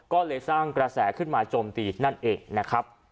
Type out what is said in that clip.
ก็เลยสร้างกระแสขึ้นมาโจมตีนั่นเองนะครับ